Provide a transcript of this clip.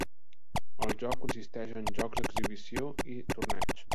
El joc consisteix en jocs d'exhibició i torneigs.